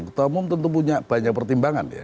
ketua umum tentu punya banyak pertimbangan ya